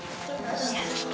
ya jangan gitu